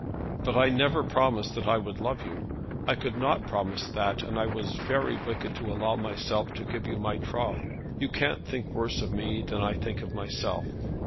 'But I never promised that I would love you. I could not promise that; and I was very wicked to allow them to give you my troth. You can't think worse of me than I think of myself.'